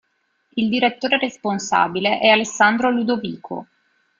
Il direttore responsabile è Alessandro Ludovico.